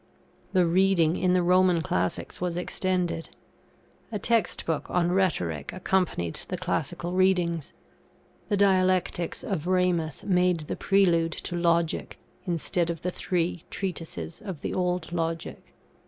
The reading in the Roman classics was extended. A text book on Rhetoric accompanied the classical readings. The dialectics of Ramus made the prelude to Logic, instead of the three treatises of the old Logic.